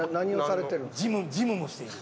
事務もしている。